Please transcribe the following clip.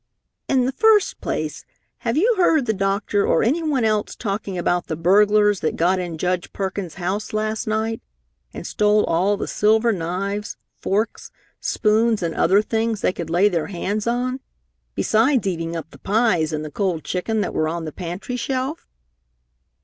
"In the first place, have you heard the doctor or anyone else talking about the burglars that got in Judge Perkins' house last night, and stole all the silver knives, forks, spoons and other things they could lay their hands on, besides eating up the pies and the cold chicken that were on the pantry shelf?"